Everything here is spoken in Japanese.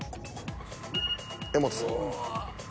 柄本さん。